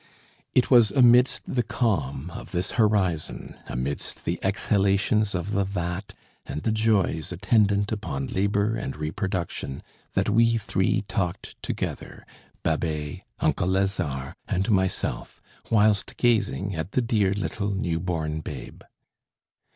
It was amidst the calm of this horizon, amidst the exhalations of the vat and the joys attendant upon labour and reproduction, that we three talked together, Babet, uncle Lazare, and myself, whilst gazing at the dear little new born babe.